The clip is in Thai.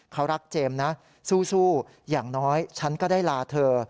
เขารักเจมส์นะสู้อย่างน้อยฉันก็ได้ลาเธอ